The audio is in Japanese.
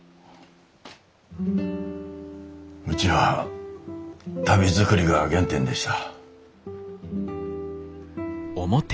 うちは足袋作りが原点でした。